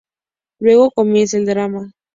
Luego comienza el drama.